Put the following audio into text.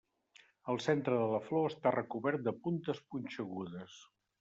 El centre de la flor està recobert de puntes punxegudes.